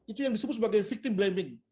itu yang disebut sebagai victim blaming